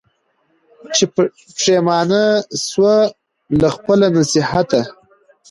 چي پښېمانه سوه له خپله نصیحته